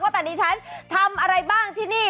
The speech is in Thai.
ว่าดังนี้ฉันทำอะไรบ้างที่นี่